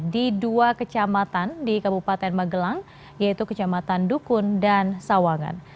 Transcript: di dua kecamatan di kabupaten magelang yaitu kecamatan dukun dan sawangan